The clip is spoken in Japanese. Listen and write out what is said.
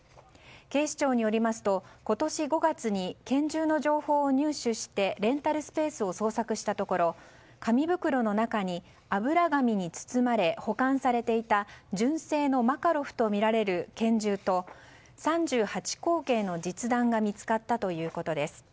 警視庁によりますと今年５月に拳銃の情報を入手してレンタルスペースを捜索したところ紙袋の中に油紙に包まれ保管されていた純正のマカロフとみられる拳銃と、３８口径の実弾が見つかったということです。